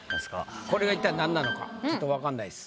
これが一体なんなのかちょっとわかんないっす。